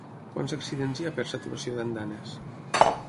Quants accidents hi ha per saturació d'andanes?